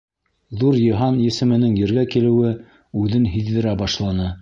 Ҙур йыһан есеменең ергә килеүе үҙен һиҙҙерә башланы.